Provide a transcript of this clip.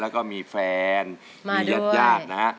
แล้วก็มีแฟนมีญาตินะครับ